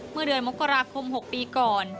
เมื่อเดือนมกราคม๖ปีก่อน